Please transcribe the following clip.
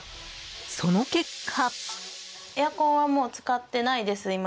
その結果。